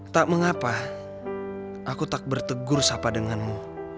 tak mengapa aku tak bertegur sapa denganmu